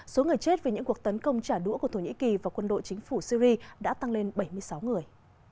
số người chết vì những cuộc tấn công trả đũa của thổ nhĩ kỳ và quân đội chính phủ syri đã tăng lên bảy mươi sáu người